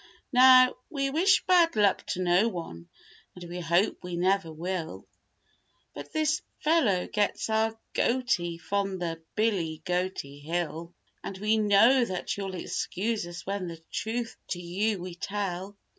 Now, we wish bad luck to no one and we hope we never will; But this "fellow" gets our "goatie" from the "Billy goatie hill." And we know that you'll excuse us when the truth to you we tell.